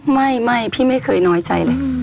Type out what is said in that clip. ไม่พี่ไม่เคยน้อยใจเลย